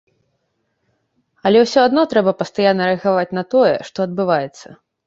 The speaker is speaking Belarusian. Але ўсё адно трэба пастаянна рэагаваць на тое, што адбываецца.